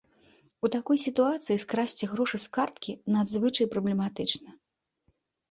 У такой сітуацыі скрасці грошы з карткі надзвычай праблематычна.